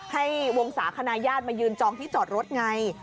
ให้วงศาคณะญาติมายืนจองที่จอดรถไง